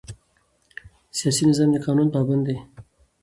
سیاسي نظام د قانون پابند دی